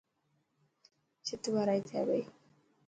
ڇٿ ڀرائي ٿي پئي.